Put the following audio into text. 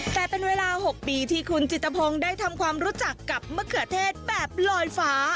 แต่เป็นเวลา๖ปีที่คุณจิตภงได้ทำความรู้จักกับมะเขือเทศแบบลอยฟ้า